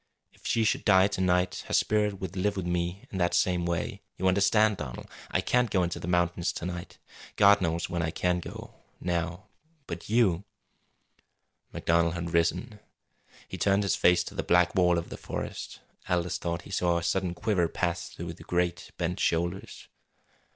If she should die to night her spirit would live with me in that same way. You understand, Donald. I can't go into the mountains to night. God knows when I can go now. But you " MacDonald had risen. He turned his face to the black wall of the forest. Aldous thought he saw a sudden quiver pass through the great, bent shoulders.